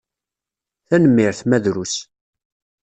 Tanemmirt, ma drus.